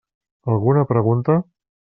Alguna pregunta?